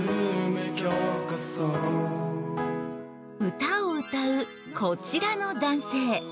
歌を歌う、こちらの男性。